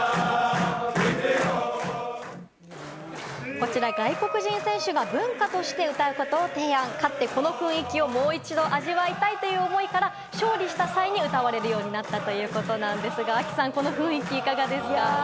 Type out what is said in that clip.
こちら、外国人選手が文化として歌うことを提案、勝ってこの雰囲気をもう一度味わいたいという思いから、勝利した際に歌われるようになったということなんですが、亜希さん、この雰囲気いかがですか？